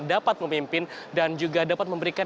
dapat memimpin dan juga dapat memberikan